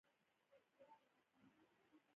زه اوس بازار ته په لاره يم، بيا وروسته زنګ درته وهم.